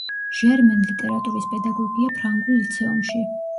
ჟერმენ ლიტერატურის პედაგოგია ფრანგულ ლიცეუმში.